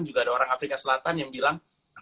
juga ada orang afrika selatan yang bilang